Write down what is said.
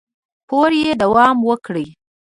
پورې دوام وکړي